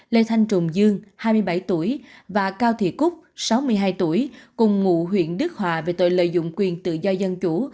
lê thanh trùng dương hai mươi bảy tuổi và cao thị cúc sáu mươi hai tuổi cùng ngụ huyện đức hòa về tội lợi dụng quyền tự do dân chủ